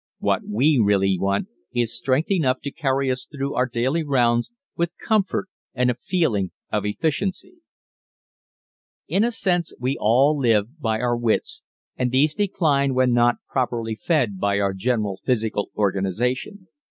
What we really want is strength enough to carry us through our daily rounds with comfort and a feeling of efficiency. In a sense we all live by our wits and these decline when not properly fed by our general physical organization.